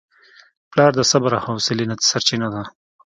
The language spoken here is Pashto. پلار د صبر او حوصلې سرچینه ده.